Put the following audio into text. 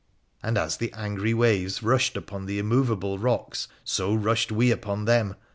And as the angry waves rush upon the immovable rocks, so rushed we upon them.